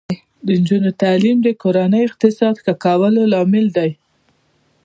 د نجونو تعلیم د کورنۍ اقتصاد ښه کولو لامل دی.